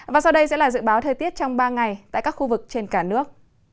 và sau đây sẽ là dự báo thời tiết trong ba ngày tại các khu vực trên cả nước